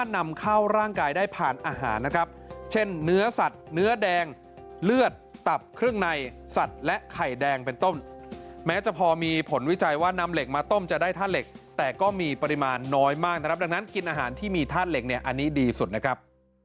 เนื้อแดงเลือดตับเครื่องในสัตว์และไข่แดงเป็นต้มแม้จะพอมีผลวิจัยว่านำเหล็กมาต้มจะได้ท่าเหล็กแต่ก็มีปริมาณน้อยมากนะครับดังนั้นกินอาหารที่มีท่าเหล็กเนี้ยอันนี้ดีสุดนะครับ